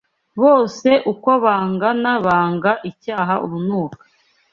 Bose uko bangana Banga icyaha urunuka